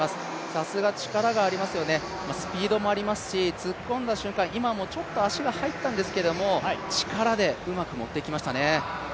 さすが力がありますよね、スピードもありますし、突っ込んだ瞬間、今もちょっと足が入ったんですけど力でうまく持っていきましたね。